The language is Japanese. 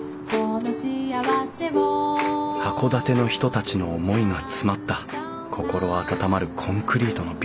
函館の人たちの思いが詰まった心温まるコンクリートのビル。